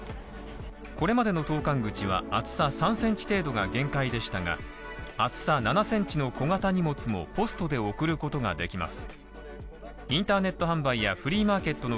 これまでの投函口は厚さ３センチ程度が限界でしたが、厚さ７センチの小型荷物もポストで送ることができます。